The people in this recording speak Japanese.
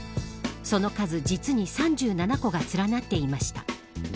その数、実に３７個が連なっていました。